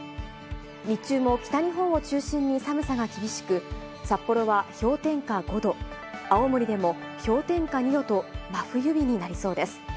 日中も北日本を中心に寒さが厳しく、札幌は氷点下５度、青森でも氷点下２度と真冬日になりそうです。